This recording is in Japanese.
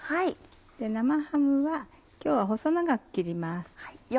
生ハムは今日は細長く切ります。